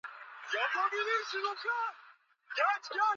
Waliweza kuteka nyara watoto wadogo na wanawake